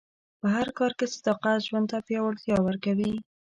په هر کار کې صداقت ژوند ته پیاوړتیا ورکوي.